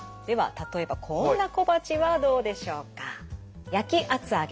では例えばこんな小鉢はどうでしょうか？